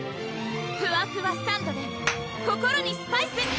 ふわふわサンドｄｅ心にスパイス！